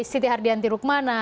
siti hardianti rukmana